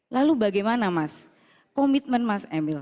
lalu bagaimana mas komitmen mas emil